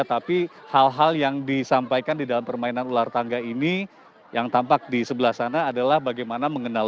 tapi hal hal yang disampaikan di dalam permainan ular tangga ini yang tampak di sebelah sana adalah bagaimana mengenal